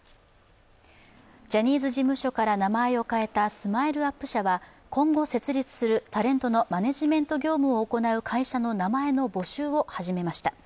ジャニーズ事務所から名前を変えたＳＭＩＬＥ−ＵＰ．社は今後設立するタレントのマネジメント業務をする会社の名前の募集を始めました。